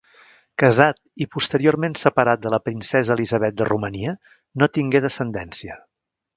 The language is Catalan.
Casat i posteriorment separat de la princesa Elisabet de Romania, no tingué descendència.